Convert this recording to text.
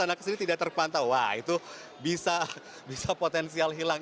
kalau anaknya ke sini tidak terpantau wah itu bisa potensial hilang